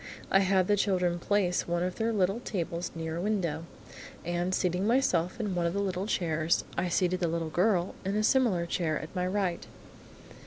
I had the children place one of their little tables near a window, and seating myself in one of the little chairs, I seated the little girl in a similar chair at my right.